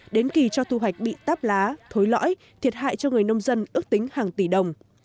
đến kỳ cho thu hoạch bị táp lá thối lõi thiệt hại cho người nông dân ước tính hàng tỷ đồng